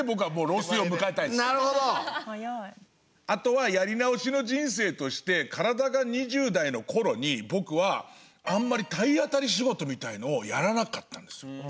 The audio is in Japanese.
あとはやり直しの人生として体が２０代の頃に僕はあんまり体当たり仕事みたいのをやらなかったんですよ。